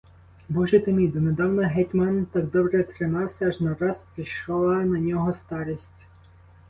Боже ти мій, донедавна гетьман так добре тримався, аж нараз прийшла на нього старість?